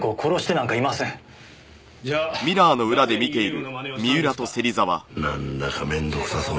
なんだか面倒くさそうな男だな。